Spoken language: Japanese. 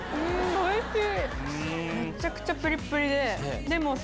おいしい！